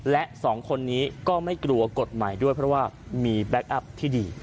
และสองคนนี้ก็ไม่กลัวกฎหมายด้วยเพราะว่ามีแบ็คอัพที่ดี